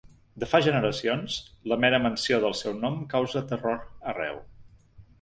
De fa generacions, la mera menció del seu nom causa terror arreu.